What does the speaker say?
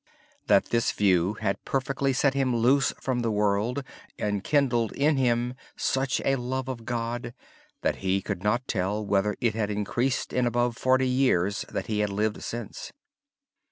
This view had perfectly set him loose from the world and kindled in him such a love for God, that he could not tell whether it had increased in the forty years that he had lived since.